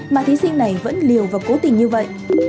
mà thí sinh này vẫn liều và cố tình như vậy